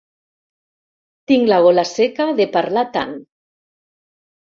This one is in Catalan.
Tinc la gola seca de parlar tant.